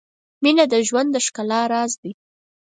• مینه د ژوند د ښکلا راز دی.